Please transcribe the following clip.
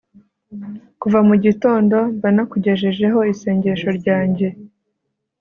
kuva mu gitondo mba nakugejejeho isengesho ryanjye